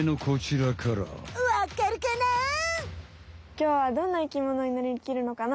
きょうはどんな生きものになりきるのかな？